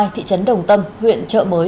thị trấn đồng tâm huyện chợ mới